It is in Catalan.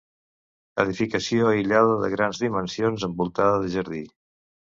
Edificació aïllada de grans dimensions envoltada de jardí.